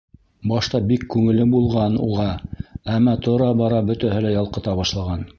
Башта бик күңелле булған уға, әммә тора-бара бөтәһе лә ялҡыта башлаған.